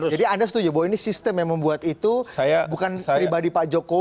jadi anda setuju bahwa ini sistem yang membuat itu bukan pribadi pak joko